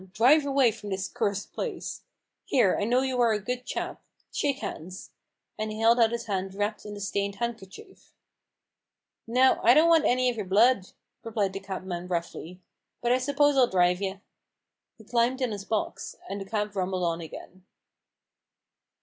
Drive away from this cursed place. Here, I know you are a good chap — shake hands !" and he held out his hand wrapped in the stained hand* kerchief. " No ; I don't want any of yer blood," replied the cabman roughly :" but I suppose I'll drive you." He climbed on his box, and the cab rumbled on again.